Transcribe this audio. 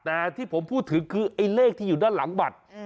แต่ที่ผมพูดถึงคือไอ้เลขที่อยู่ด้านหลังบัตร